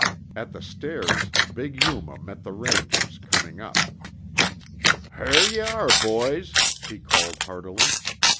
At the stairs, big Yuma met the Rangers coming up. "Hyar yuh are, boys," he called heartily.